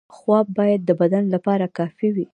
خواب باید د بدن لپاره کافي وي.